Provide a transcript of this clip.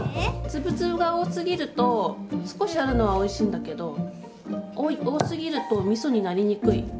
粒々が多すぎると少しあるのはおいしいんだけど多すぎるとみそになりにくい。